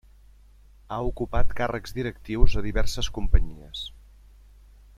Ha ocupat càrrecs directius a diverses companyies.